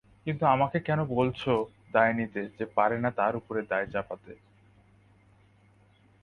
কিন্তু আমাকে কেন বলছ, দায় নিতে যে পারে না তার উপরে দায় চাপাতে।